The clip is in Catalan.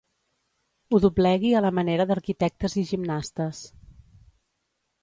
Ho doblegui a la manera d'arquitectes i gimnastes.